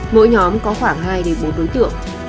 mỗi nhóm có khoảng hai đến bốn đối tượng giả